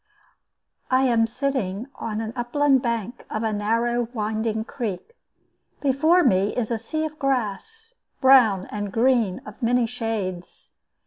I am sitting upon the upland bank of a narrow winding creek. Before me is a sea of grass, brown and green of many shades.